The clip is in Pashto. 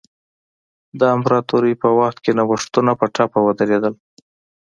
د امپراتورۍ په وخت کې نوښتونه په ټپه ودرېدل.